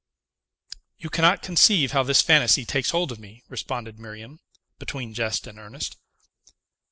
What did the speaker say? "You cannot conceive how this fantasy takes hold of me," responded Miriam, between jest and earnest.